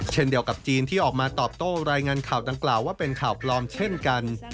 เช่นเดียวกับจีนที่ออกมาตอบโต้รายงานข่าวดังกล่าวว่าเป็นข่าวปลอมเช่นกัน